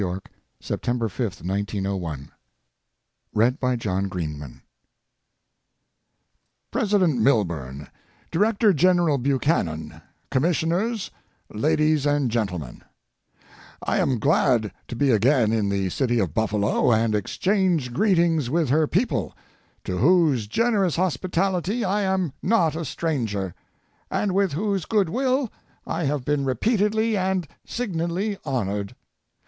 Y., SEPTEMBER 5, 1901 President Milburn, Director General Buchanan, Com missioners, Ladies and Gentlemen: I am glad to be again in the city of Buffalo and exchange greetings with her people, to whose gener ous hospitality I am not a stranger, and with whose good will I have been repeatedly and signally hon ored.